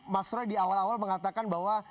mas roy di awal awal mengatakan bahwa